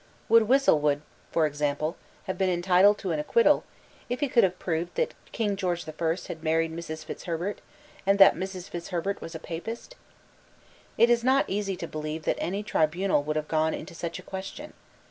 Would Whistlewood, for example, have been entitled to an acquittal, if he could have proved that King George the Fourth had married Mrs. Fitzherbert, and that Mrs. Fitzherbert was a Papist? It is not easy to believe that any tribunal would have gone into such a question.